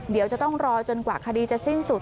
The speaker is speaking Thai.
เดี๋ยวจะต้องรอจนกว่าคดีจะสิ้นสุด